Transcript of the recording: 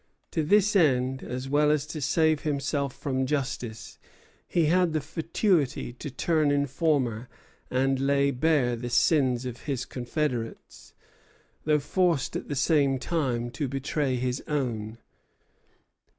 To this end, as well as to save himself from justice, he had the fatuity to turn informer and lay bare the sins of his confederates, though forced at the same time to betray his own.